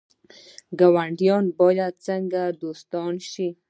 ګاونډیان باید څنګه دوستان شي؟